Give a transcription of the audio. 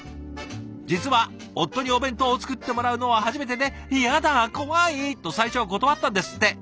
実は夫にお弁当を作ってもらうのは初めてで「嫌だ怖い！」と最初は断ったんですって。